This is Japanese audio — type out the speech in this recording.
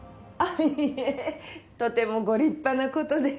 いえとてもご立派な事で。